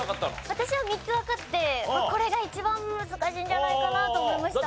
私は３つわかってこれが一番難しいんじゃないかなと思いました。